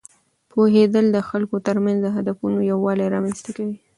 پوهېدل د خلکو ترمنځ د هدفونو یووالی رامینځته کوي.